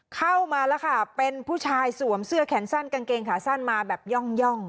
เข้ามาแล้วค่ะเป็นผู้ชายสวมเสื้อแขนสั้นกางเกงขาสั้นมาแบบย่อง